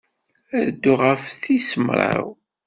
Ad dduɣ ɣef tis mraw.